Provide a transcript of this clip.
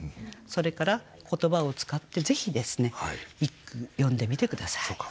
それから言葉を使ってぜひですね一句詠んでみて下さい。